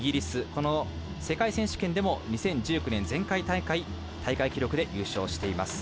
この世界選手権でも２０１９年、前回大会大会記録で優勝しています。